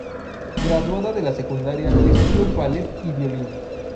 Graduada de la secundaria, estudió ballet y violín.